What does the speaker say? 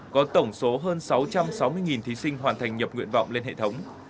có tổng số hơn sáu trăm sáu mươi thí sinh hoàn thành nhập nguyện vọng lên hệ thống